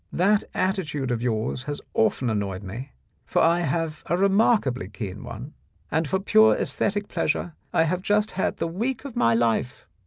That attitude of yours has often annoyed me, for I have a remarkably keen one, and for pure aesthetic pleasure I have just had the week of my life.